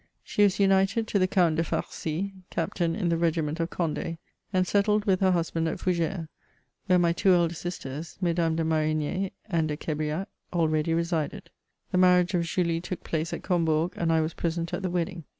She was united to the Count de Farcy, Captain in the regiinent of Cond^, and settled with her husband at Foug^res, where my two elder sisters, Mesdames de Marignay and de Qu^riac already resided. The marriage of Julie took place at Combourg, and I was present at the wedding.